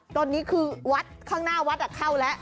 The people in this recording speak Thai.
ตอนนี้คือวัดข้างหน้าวัดเข้าแล้ว